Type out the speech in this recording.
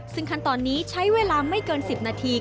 ซึ่งขั้นตอนนี้ใช้เวลาไม่เกิน๑๐นาที